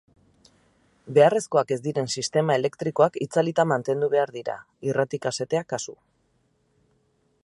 Beharrezkoak ez diren sistema elektrikoak itzalita mantendu behar dira, irrati-kasetea kasu.